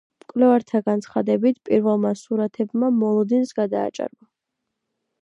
მკვლევართა განცხადებით, პირველმა სურათებმა მოლოდინს გადააჭარბა.